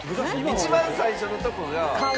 一番最初のとこが。